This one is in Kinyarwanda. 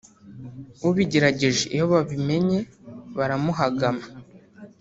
ubigerageje iyo babimenye baramuhagama